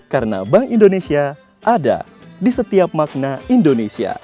karena bank indonesia ada di setiap makna indonesia